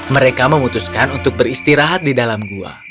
mereka memutuskan untuk beristirahat di dalam gua